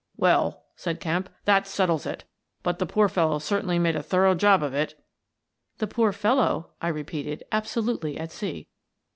" Well," said Kemp, " that settles it But the poor fellow certainly made a thorough job of it." "The poor fellow?" I repeated, absolutely at sea.